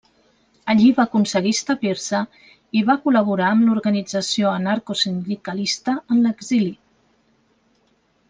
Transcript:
Allí va aconseguir establir-se i va col·laborar amb l'organització anarcosindicalista en l'exili.